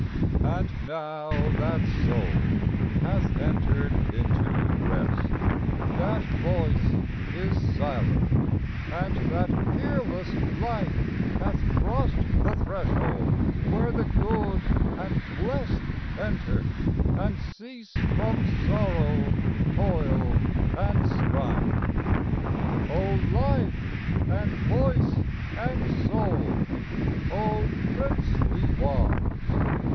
And now that Soul hath entered into rest; That Voice is silent, and that peerless Life Hath crossed the threshold where the good and blest Enter, and cease from sorrow, toil and strife. O Life and Voice and Soul! O princely one!